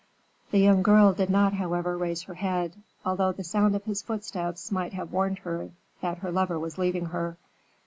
The young girl did not, however, raise her head, although the sound of his footsteps might have warned her that her lover was leaving her.